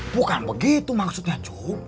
bukan begitu maksudnya cuk